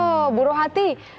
oh bu rohati